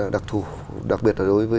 đặc thù đặc biệt là đối với